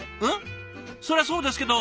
そりゃそうですけど。